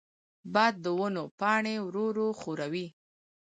باد د ونو پاڼې ورو ورو ښوروي.